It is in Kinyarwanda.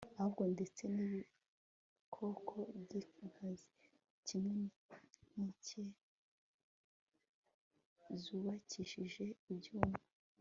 ahubwo ndetse n'ibikoko by'inkazi, kimwe n'inkike zubakishije ibyuma